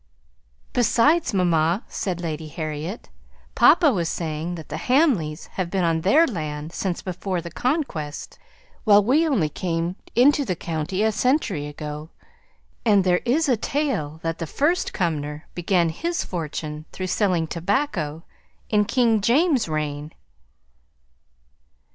"Besides, mamma," said Lady Harriet, "papa was saying that the Hamleys have been on their land since before the Conquest; while we only came into the county a century ago; and there is a tale that the first Cumnor began his fortune through selling tobacco in King James's reign."